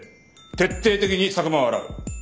徹底的に佐久間を洗う。